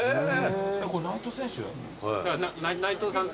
これ内藤選手？